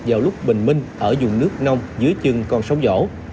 vào lúc bình minh ở dùng nước nông dưới chừng con sống vỗ